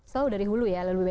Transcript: soal dari hulu ya lalu bebek